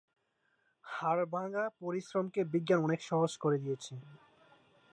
হাড় ভাঙা পরিশ্রমকে বিজ্ঞান অনেক সহজ করে দিয়েছে।